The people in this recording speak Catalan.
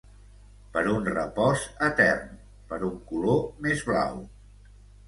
Per un repòs etern, per un color més blau.